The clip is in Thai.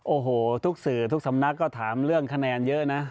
โอ้โหทุกสื่อทุกสำนักก็ถามเรื่องคะแนนเยอะนะ